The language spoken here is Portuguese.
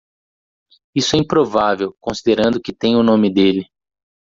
Isso é improvável, considerando que tem o nome dele.